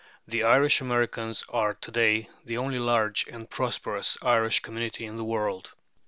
The Irish Americans are to day the only large and prosperous Irish community in the world.